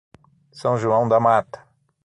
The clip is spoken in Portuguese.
São João da Mata